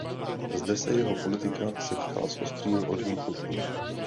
Zde se jeho politika setkala s ostrým odmítnutím.